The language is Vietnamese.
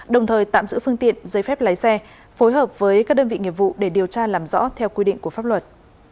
đồng thời tạm giữ phương tiện giấy phép lái xe phối hợp với các đơn vị nghiệp vụ để điều tra làm rõ theo quy định của pháp luật